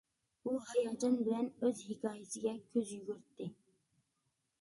ئۇ ھاياجان بىلەن ئۆز ھېكايىسىگە كۆز يۈگۈرتتى.